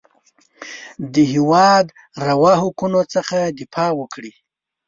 د هېواد روا حقونو څخه دفاع وکړي.